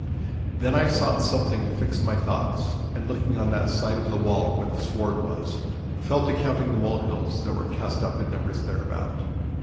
Then I sought something to fix my thoughts, and looking on that side of the wall where the sward was, fell to counting the mole hills that were cast up in numbers thereabout.